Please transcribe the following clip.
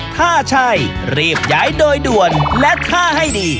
ถ้าใช่รีบย้ายโดยด่วนและท่าให้ดี